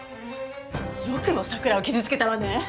よくも桜を傷つけたわね！